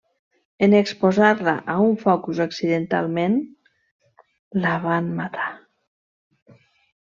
En exposar-la a un focus, accidentalment la van matar.